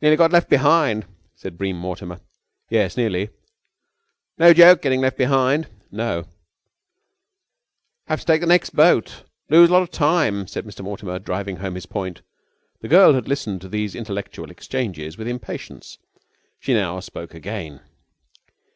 "Nearly got left behind," said Bream Mortimer. "Yes, nearly." "No joke getting left behind." "No." "Have to take the next boat. Lose a lot of time," said Mr. Mortimer, driving home his point. The girl had listened to these intellectual exchanges with impatience. She now spoke again.